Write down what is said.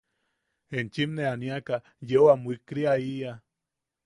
Enchim nee aniaka yeu am wikriaʼiʼa.